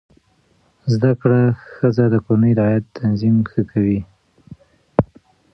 زده کړه ښځه د کورنۍ د عاید تنظیم ښه کوي.